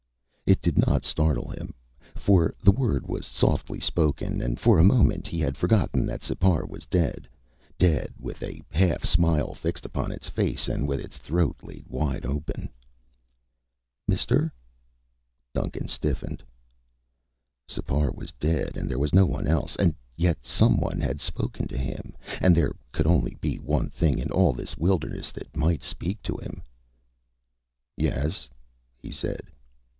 It did not startle him, for the word was softly spoken and for a moment he had forgotten that Sipar was dead dead with a half smile fixed upon its face and with its throat laid wide open. "Mister?" Duncan stiffened. Sipar was dead and there was no one else and yet someone had spoken to him, and there could be only one thing in all this wilderness that might speak to him. "Yes," he said.